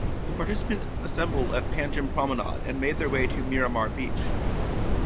The participants assembled at Panjim Promenade and made their way to Miramar Beach.